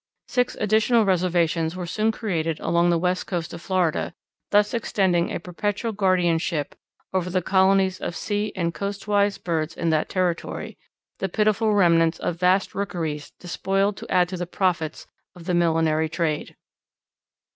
Six additional reservations were soon created along the west coast of Florida, thus extending a perpetual guardianship over the colonies of sea and coastwise birds in that territory the pitiful remnants of vast rookeries despoiled to add to the profits of the millinery trade.